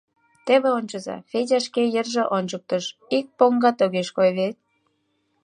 Теве ончыза, — Федя шке йырже ончыктыш: — ик поҥгат огеш кой вет?